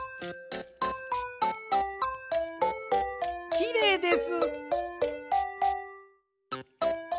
きれいです。